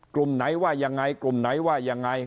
กลุ่มไหนว่ายังไง